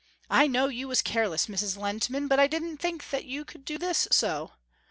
I know you was careless, Mrs. Lehntman, but I didn't think that you could do this so.